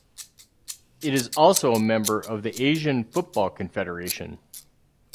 It is also a member of the Asian Football Confederation.